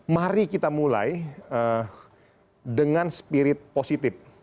mari kita mulai dengan spirit positif